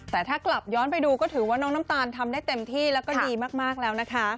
แต่ถ้ากลับย้อนไปดูก็ถือว่าน้องน้ำตาลทำได้เต็มที่แล้วก็ดีมากแล้วนะคะ